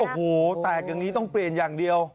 โอ้โหแตกอย่างนี้ต้องเปลี่ยนอย่างเดียว